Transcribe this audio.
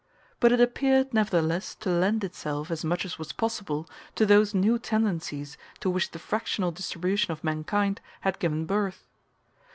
But it appeared, nevertheless, to lend itself, as much as was possible, to those new tendencies to which the fractional distribution of mankind had given birth.